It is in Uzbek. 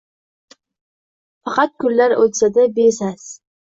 Faqat kunlar o’tsa-da besas